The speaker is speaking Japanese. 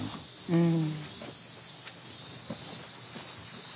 うん。